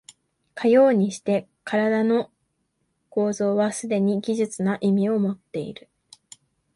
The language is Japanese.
かようにして身体の構造はすでに技術的な意味をもっている。